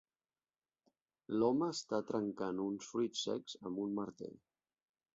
L'home està trencant uns fruits secs amb un martell.